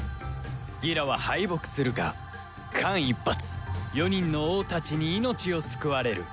ギラは敗北するが間一髪４人の王たちに命を救われる